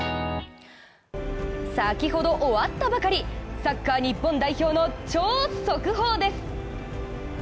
先ほど終わったばかりサッカー日本代表の超速報です。